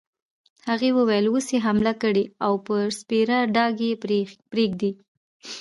هغې وویل: اوس يې حامله کړې او پر سپېره ډاګ یې پرېږدې.